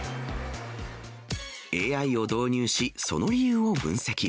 ＡＩを導入し、その理由を分析。